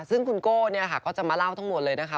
ซึ่งคุณโก้ก็จะมาเล่าทั้งหมดเลยนะคะ